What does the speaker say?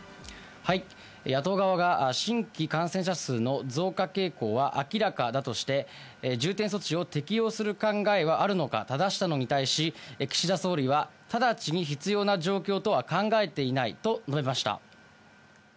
野党側が新規感染者数の増加傾向は明らかだとして、重点措置を適用する考えはあるのかただしたのに対し、岸田総理は、直ちに必要な状況とは考えていないと述べました。